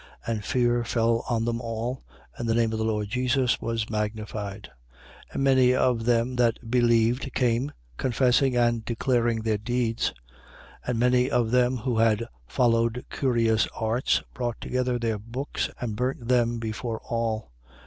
And fear fell on them all: and the name of the Lord Jesus was magnified. 19:18. And many of them that believed came, confessing and declaring their deeds 19:19. And many of them who had followed curious arts brought together their books and burnt them before all.